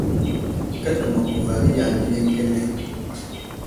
Kəɗəmak kuvar iya ane ləŋkeme ?